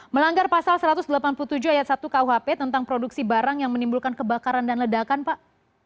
melanggar pasal satu ratus delapan puluh tujuh ayat satu kuhp tentang produksi barang yang menimbulkan kebakaran dan ledakan pak